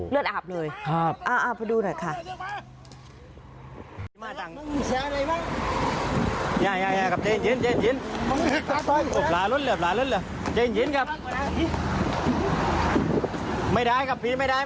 เลือดอาบเลยพอดูหน่อยค่ะครับ